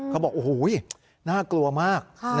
เขาบอกโอ้โหน่ากลัวมาก